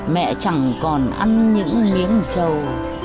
mẹ chẳng còn ăn những miếng trầu